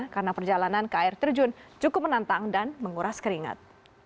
karena perjalanan ke air terjun cukup menantang dan menguras keringat